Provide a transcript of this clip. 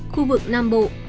khu vực nam bộ